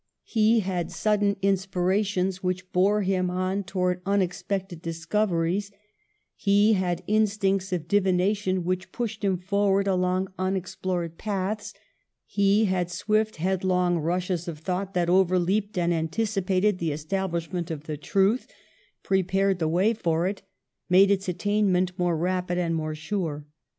212 PASTEUR "He had sudden inspirations, which bore him on towards unexpected discoveries; he had in stincts of divination which pushed him forward along unexplored paths ; he had swift, headlong rushes of thought that overleaped and antici pated the establishment of the truth, prepared the way for it, made its attainment more rapid and more sure.